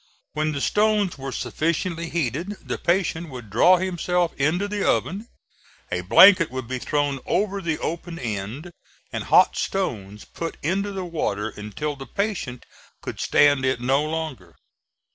When the stones were sufficiently heated, the patient would draw himself into the oven; a blanket would be thrown over the open end, and hot stones put into the water until the patient could stand it no longer.